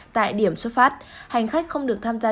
tại điểm xuất phát hành khách không được tham gia